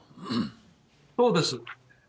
そうです。